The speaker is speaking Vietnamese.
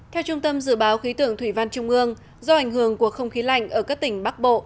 theo trung tâm dự báo khí tượng thủy văn trung ương do ảnh hưởng của không khí lạnh ở các tỉnh bắc bộ